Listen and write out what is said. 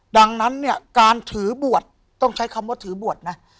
ดังนั้นเนี่ยการถือบวชต้องใช้คำว่าถือบวชนะ